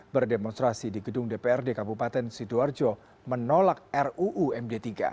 berdemonstrasi di gedung dprd kabupaten sidoarjo menolak ruu md tiga